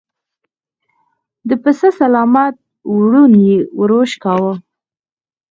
د پسه سلامت ورون يې ور وشکاوه.